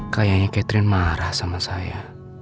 kayaknya catherine marah sama saya